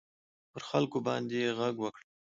پر خلکو باندي ږغ وکړ.